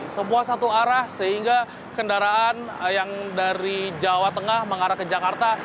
semua satu arah sehingga kendaraan yang dari jawa tengah mengarah ke jakarta